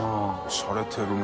しゃれてるね。